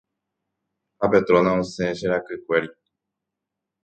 ha Petrona osẽ che rakykuéri.